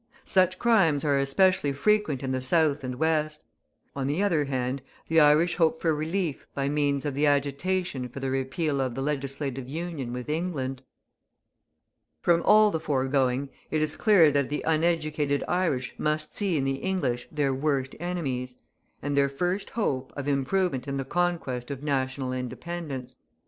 Such crimes are especially frequent in the South and West. On the other hand, the Irish hope for relief by means of the agitation for the repeal of the Legislative Union with England. From all the foregoing, it is clear that the uneducated Irish must see in the English their worst enemies; and their first hope of improvement in the conquest of national independence.